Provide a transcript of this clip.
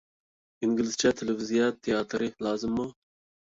ئىنگلىزچە تېلېۋىزىيە تىياتىرى لازىممۇ؟